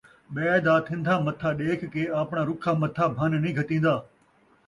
ٻئے دا تھندھا متھا ݙیکھ کے آپݨا رُکھا متھا بھن نئیں گھتیندا